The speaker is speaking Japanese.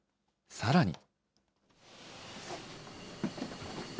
さらに。